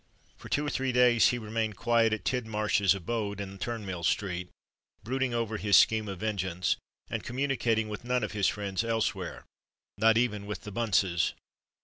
For two or three days he remained quiet at Tidmarsh's abode in Turnmill Street, brooding over his scheme of vengeance, and communicating with none of his friends elsewhere—not even with the Bunces.